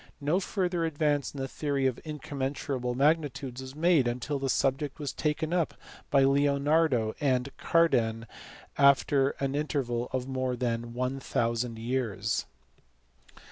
No further advance in the theory of incom mensurable magnitudes was made until the subject was taken up by Leonardo and Cardan after an interval of more than a thousand years.